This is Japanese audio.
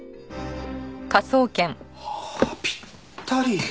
はあぴったり。